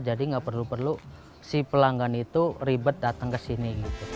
jadi nggak perlu perlu si pelanggan itu ribet datang ke sini